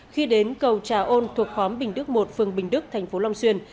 khi đến cầu trà ôn thuộc khóm bình đức một phường bình đức tp long xuyên